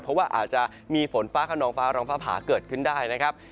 เพราะว่าอาจจะมีฝนฟ้าขนองฟ้าร้องฟ้าผาเกิดขึ้นได้นะครับ